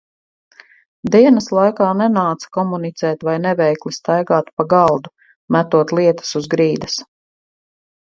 Dienas laikā nenāca komunicēt vai neveikli staigāt pa galdu, metot lietas uz grīdas.